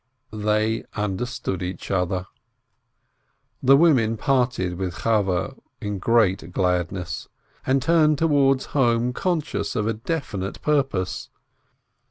They understood each other The women parted with Chavveh in great gladness, and turned towards home conscious of a definite pur pose.